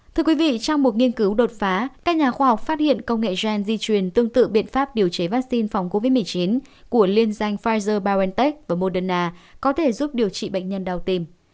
thưa quý vị trong một nghiên cứu đột phá các nhà khoa học phát hiện công nghệ gen di truyền tương tự biện pháp điều chế vaccine phòng covid một mươi chín của liên danh pfizer biontech và moderna có thể giúp điều trị bệnh nhân đau tim